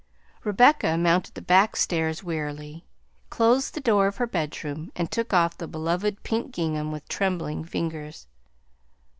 Rebecca mounted the back stairs wearily, closed the door of her bedroom, and took off the beloved pink gingham with trembling fingers.